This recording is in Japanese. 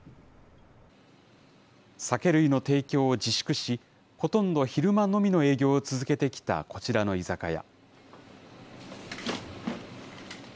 酒類の提供を自粛し、ほとんど昼間のみの営業を続けてきたこちらの居酒屋。